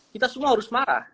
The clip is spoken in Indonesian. kita semua harus marah